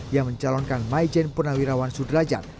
yang mencalonkan maijen purnawirawan sudrajat